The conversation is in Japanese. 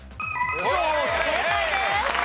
正解です。